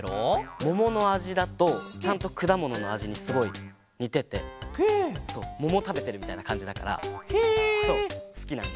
もものあじだとちゃんとくだもののあじにすごいにててももたべてるみたいなかんじだからすきなんだ。